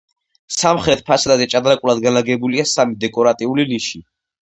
სამხრეთ ფასადზე ჭადრაკულად განლაგებულია სამი დეკორატიული ნიში.